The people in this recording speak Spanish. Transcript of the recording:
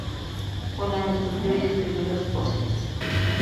Holland estudió y describió los fósiles.